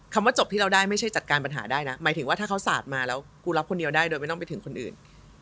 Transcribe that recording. ว่าจบที่เราได้ไม่ใช่จัดการปัญหาได้นะหมายถึงว่าถ้าเขาสาดมาแล้วกูรับคนเดียวได้โดยไม่ต้องไปถึงคนอื่น